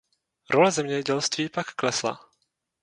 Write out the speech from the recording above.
Role zemědělství pak klesla.